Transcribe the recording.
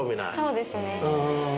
そうですね。